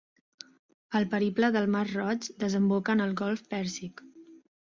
El periple pel Mar Roig desemboca en el Golf Pèrsic.